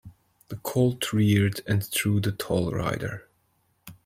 The colt reared and threw the tall rider.